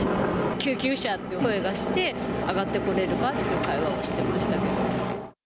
救急車っていう声がして、上がってこれるかって会話をしてましたけど。